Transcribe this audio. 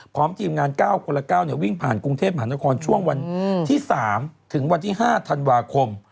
พร้อมทีมงาน๙คนละ๙วิ่งผ่านกรุงเทพมหานครช่วงวันที่๓ถึงวันที่๕ธันวาคม